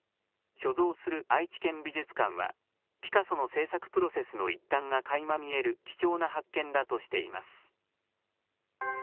所蔵する愛知県美術館は、ピカソの制作プロセスの一端がかいま見える貴重な発見だとしています。